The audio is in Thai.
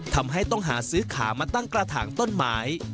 ทำให้ต้องหาซื้อขามาตั้งกระถางต้นไม้